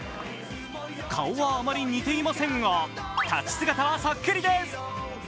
顔はあまり似ていませんが、立ち姿はそっくりです。